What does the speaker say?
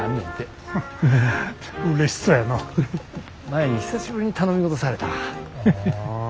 舞に久しぶりに頼み事されたわ。